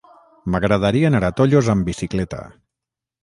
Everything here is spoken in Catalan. M'agradaria anar a Tollos amb bicicleta.